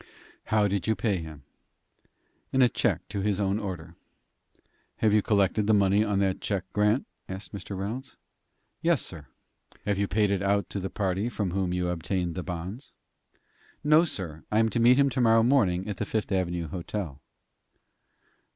"How did you pay him?" "In a check to his own order." "Have you collected the money on that check, Grant?" asked Mr. Reynolds. "Yes, sir." "Have you paid it out to the party from whom you obtained the bonds?" "No, sir; I am to meet him to morrow morning at the Fifth Avenue Hotel."